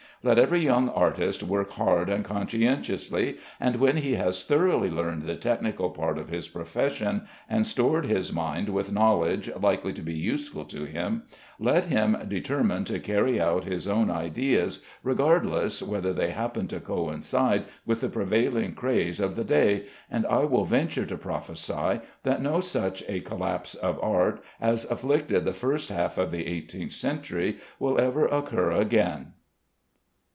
Let every young artist work hard and conscientiously, and when he has thoroughly learned the technical part of his profession and stored his mind with knowledge likely to be useful to him, let him determine to carry out his own ideas, regardless whether they happen to coincide with the prevailing craze of the day, and I will venture to prophesy that no such a collapse of art as afflicted the first half of the eighteenth century will ever occur again.